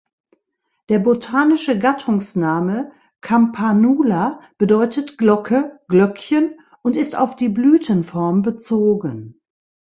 Der botanische Gattungsname "Campanula" bedeutet "Glocke", "Glöckchen" und ist auf die Blütenform bezogen.